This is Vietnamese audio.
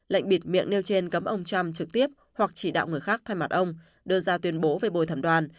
lệnh bịt miệng nêu trên cấm ông trump trực tiếp hoặc chỉ đạo người khác thay mặt ông đưa ra tuyên bố về bồi thẩm đoàn